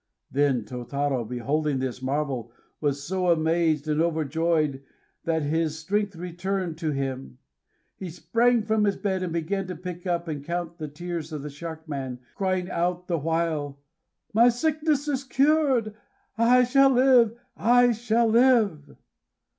Then Tôtarô, beholding this marvel, was so amazed and overjoyed that his strength returned to him. He sprang from his bed, and began to pick up and to count the tears of the Shark Man, crying out the while: "My sickness is cured! I shall live! I shall live!"